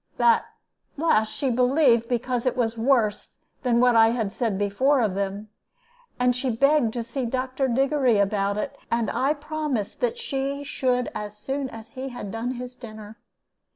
That last she believed, because it was worse than what I had said before of them; and she begged to see Dr. Diggory about it, and I promised that she should as soon as he had done his dinner.